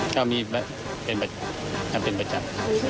เขามีเป็นบัจจัม